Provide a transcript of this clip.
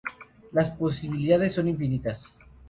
Las posibilidades son infinitas.